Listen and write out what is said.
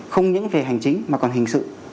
không những về hành chính mà còn hình sự